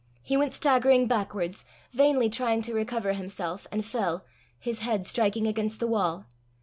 He went staggering backwards, vainly trying to recover himself, and fell, his head striking against the wall.